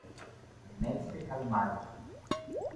Tenéis que calmaros.